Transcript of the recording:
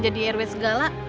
jadi rw segala